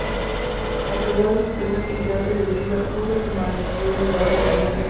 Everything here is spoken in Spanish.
A pesar de su intensa actividad televisiva, Krüger permaneció ligado al escenario.